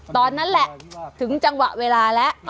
ตอนนั้นแหละถึงจังหวะเวลาแล้ว